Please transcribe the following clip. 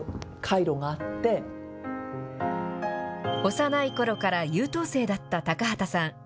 幼いころから優等生だった高畑さん。